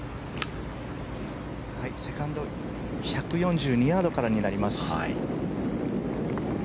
セカンド１４２ヤードからになります。